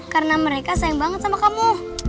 karena mereka sayang banget sama kamu